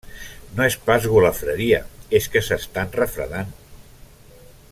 No és pas golafreria, és que s'están refredant.